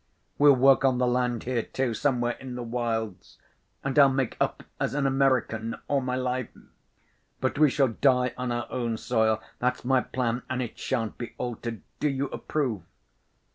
We'll work on the land here, too, somewhere in the wilds, and I'll make up as an American all my life. But we shall die on our own soil. That's my plan, and it shan't be altered. Do you approve?"